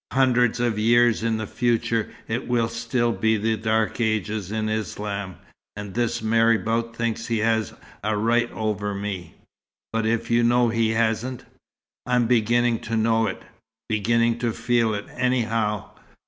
"Hundreds of years in the future, it will still be the dark ages in Islam. And this marabout thinks he has a right over me." "But if you know he hasn't?" "I'm beginning to know it beginning to feel it, anyhow.